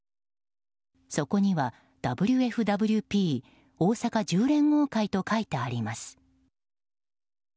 そこにはＷＦＷＰ大阪１０連合会と書いてあります。